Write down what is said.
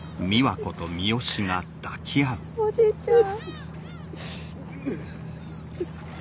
おじいちゃん